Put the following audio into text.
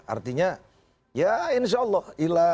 artinya ya insya allah